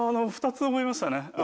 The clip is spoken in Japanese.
２つ思いましたね。